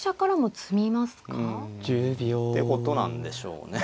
うん。ってことなんでしょうね。